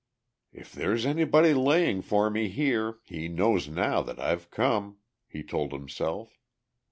"If there's anybody laying for me here he knows now that I've come," he told himself.